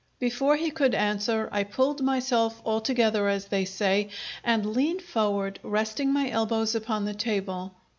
Before he could answer I pulled myself altogether, as they say, and leaned forward, resting my elbows upon the table.